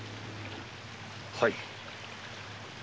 はい。